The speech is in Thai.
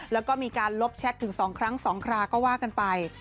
แล้วก็มีการลบแชทถึง๒ครั้ง๒คราก็ว่ากันไป